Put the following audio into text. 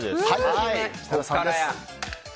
設楽さんです。